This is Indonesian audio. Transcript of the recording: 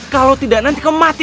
kalau tidak nanti ke mati